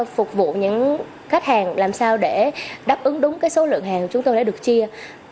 phục vụ những khách hàng làm sao để đáp ứng đúng số lượng hàng chúng tôi đã được chia